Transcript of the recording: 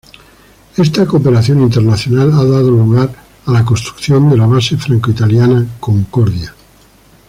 Esta cooperación internacional ha dado lugar a la construcción de la base franco-italiana Concordia.